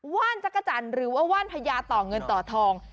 ว่านจักรจันทร์หรือว่าว่านพญาต่อเงินต่อทอง